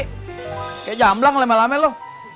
kayak jamblang lemah lamel lo